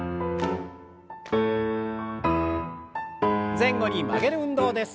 前後に曲げる運動です。